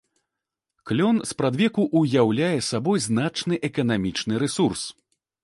Клён спрадвеку ўяўляе сабой значны эканамічны рэсурс.